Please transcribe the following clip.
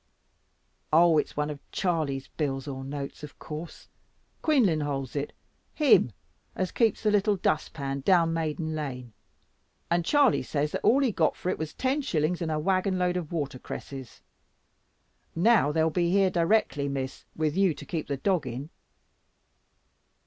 "Oh, it's one of Charley's bills or notes, of course. Quinlan holds it, him as keeps "the little dust pan," down Maiden Lane, and Charley says that all he got for it was ten shillings and a waggon load of water cresses. Now they'll be here directly, Miss, with you to keep the dog in.